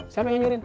siapa yang anjurin